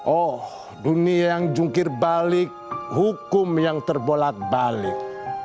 oh dunia yang jungkir balik hukum yang terbolak balik